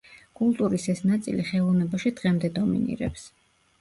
კულტურის ეს ნაწილი ხელოვნებაში დღემდე დომინირებს.